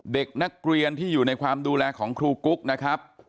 เด็กนักเรียนที่อยู่ในความดูแลของครูกุ๊กนะครับ